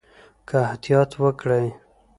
که احتیاط وکړئ